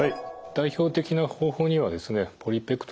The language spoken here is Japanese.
代表的な方法にはですねポリペクトミー。